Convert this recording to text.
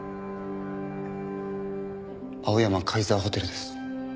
青山カイザーホテルです。